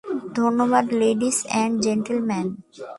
ধন্যবাদ, ladies and gentle man.